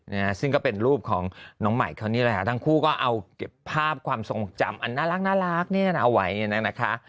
นะฮะซึ่งก็เป็นรูปของน้องใหม่เขานี่แหละค่ะทั้งคู่ก็เอาเก็บภาพความทรงจำอันน่ารักน่ารักเนี่ยนะเอาไว้นะคะ